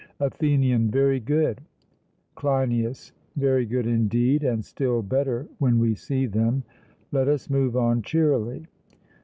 ATHENIAN: Very good. CLEINIAS: Very good, indeed; and still better when we see them; let us move on cheerily.